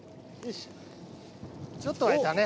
ちょっとはいたね。